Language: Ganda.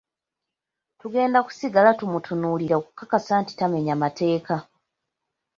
Tugenda kusigala tumutunuulira okukakasa nti tamenya mateeka.